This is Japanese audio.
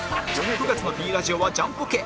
９月の Ｐ ラジオはジャンポケ